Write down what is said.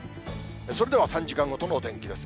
それでは３時間ごとのお天気です。